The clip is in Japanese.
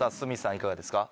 いかがですか？